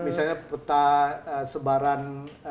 misalnya peta sebaran